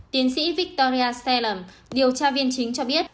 tiến sĩ victoria stellam điều tra viên chính cho biết